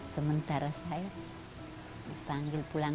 sementara saya dipanggil pulang